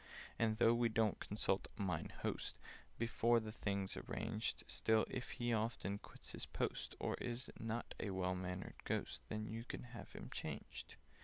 "And, though we don't consult 'Mine Host' Before the thing's arranged, Still, if he often quits his post, Or is not a well mannered Ghost, Then you can have him changed.